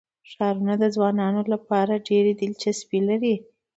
ښارونه د ځوانانو لپاره ډېره دلچسپي لري.